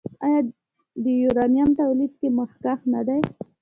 آیا د یورانیم تولید کې مخکښ نه دی؟